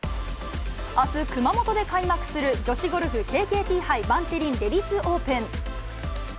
あす、熊本で開幕する、女子ゴルフＫＫＴ杯バンテリンレディスオープン。